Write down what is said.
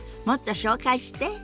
もっと紹介して。